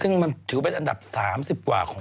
ซึ่งมันถือเป็นอันดับ๓๐กว่าของ